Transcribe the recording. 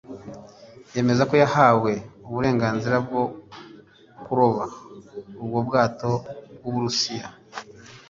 yemeza ko yahaye uburenganzira bwo kuroba ubwo bwato bw’u Burusiya